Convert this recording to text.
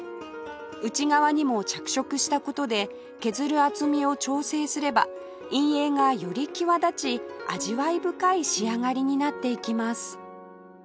内側にも着色した事で削る厚みを調整すれば陰影がより際立ち味わい深い仕上がりになっていきます